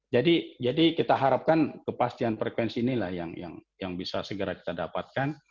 jadi kita harapkan kepastian frekuensi inilah yang bisa segera kita dapatkan